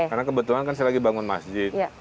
karena kebetulan kan saya lagi bangun masjid